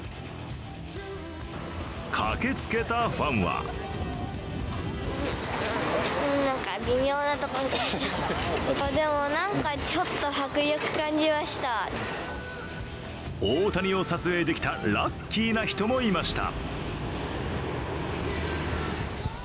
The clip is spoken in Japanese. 駆けつけたファンは大谷を撮影できたラッキーな人もいました。